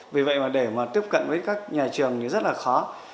vì vậy mà để mà tiếp cận với các nhà trường thì rất là khó